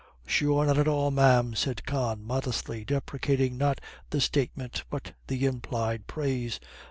"Sure not at all, ma'am," said Con, modestly, deprecating not the statement but the implied praise.